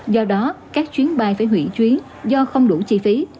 do đó các chuyến bay phải hủy chuyến do không đủ chi phí